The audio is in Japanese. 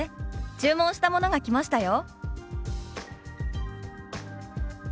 注文したものが来ましたよ」。